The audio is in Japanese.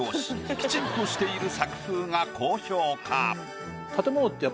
きちんとしている作風が高評価。